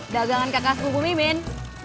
dagangan kakak kuku mimin